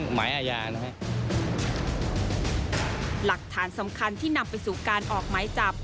หลักฐานสำคัญที่นำไปสู่การออกหมายจับ